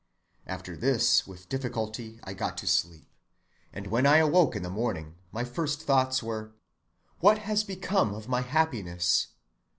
After this, with difficulty I got to sleep; and when I awoke in the morning my first thoughts were: What has become of my happiness?